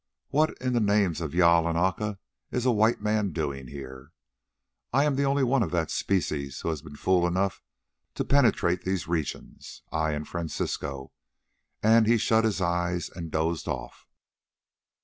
"What in the names of Jâl and Aca is a white man doing here? I am the only one of that species who have been fool enough to penetrate these regions, I and Francisco," and he shut his eyes and dozed off.